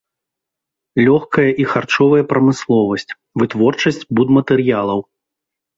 Лёгкая і харчовая прамысловасць, вытворчасць будматэрыялаў.